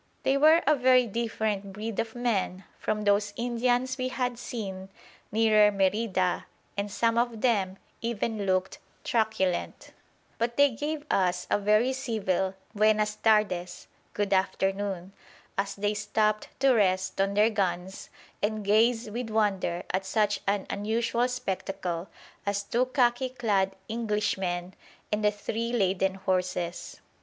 They were a very different breed of men from those Indians we had seen nearer Merida, and some of them even looked truculent. But they gave us a very civil "Buenas tardes!" ("Good afternoon!") as they stopped to rest on their guns and gaze with wonder at such an unusual spectacle as two khaki clad Englishmen and the three laden horses.